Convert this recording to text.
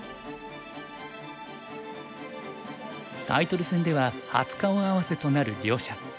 タイトル戦では初顔合わせとなる両者。